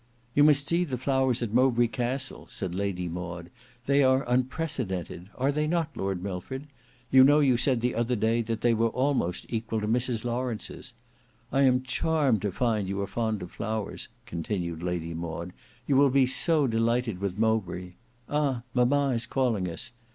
"You must see the flowers at Mowbray Castle," said Lady Maud. "They are unprecedented, are they not, Lord Milford? You know you said the other day that they were almost equal to Mrs Lawrence's. I am charmed to find you are fond of flowers," continued Lady Maud; "you will be so delighted with Mowbray. Ah! mama is calling us.